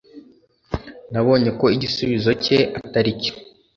Nabonye ko igisubizo cye atari cyo